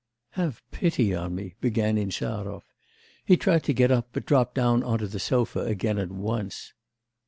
'Have pity on me,' began Insarov. He tried to get up, but dropped down on to the sofa again at once.